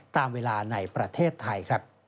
ตามเวลาในประเทศไทย